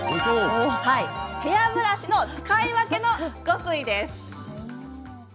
ヘアブラシの使い分けの極意です。